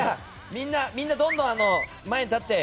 みんな、どんどん前に立って。